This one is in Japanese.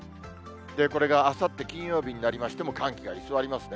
これがあさって金曜日になりましても、寒気が居座りますね。